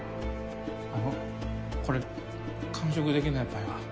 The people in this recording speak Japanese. あのこれ完食できない場合は。